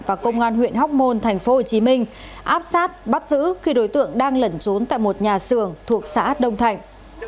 và công an huyện hóc môn tp hcm áp sát bắt giữ khi đối tượng đang lẩn trốn tại một nhà xưởng thuộc xã đông thạnh